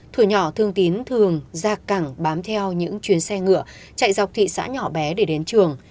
tuổi nhỏ thương tín thường ra cảng bám theo những chuyến xe ngựa chạy dọc thị xã nhỏ bé để đến trường